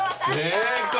正解！